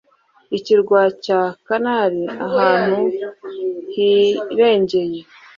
Ikirwa cya Canary ahantu hirengeye,